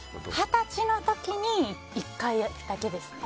二十歳の時に１回だけですね。